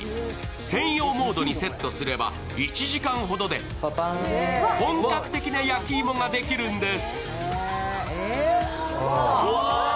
専用モードにセットすれば１時間ほどで本格的な焼き芋ができるんです。